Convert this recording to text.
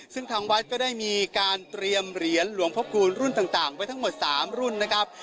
ซึ่งทางวัดก็ได้มีการเตรียมเหรียญหลวงพระคูณรุ่นต่างไว้ทั้งหมด๓รุ่นนะครับ